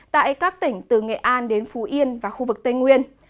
tại các tỉnh từ nghệ an đến phú yên và khu vực tây nguyên